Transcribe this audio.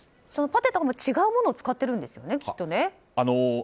ポテトは違うものを使ってるんですよね、きっとね。